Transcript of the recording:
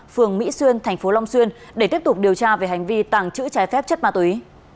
phường mỹ xuyên thành phố long xuyên để tiếp tục điều tra về hành vi tàng trữ trái phép chất ma túy